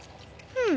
うん。